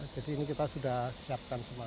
jadi ini kita sudah siapkan semuanya